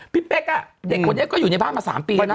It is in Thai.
เป๊กเด็กคนนี้ก็อยู่ในบ้านมา๓ปีแล้วนะ